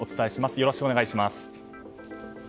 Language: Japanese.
よろしくお願いします。